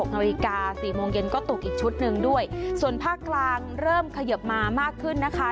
นาฬิกา๔โมงเย็นก็ตกอีกชุดหนึ่งด้วยส่วนภาคกลางเริ่มเขยิบมามากขึ้นนะคะ